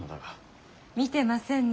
見てませんね。